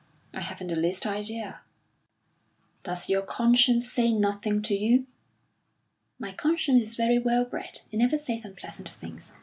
"I haven't the least idea." "Does your conscience say nothing to you?" "My conscience is very well bred. It never says unpleasant things."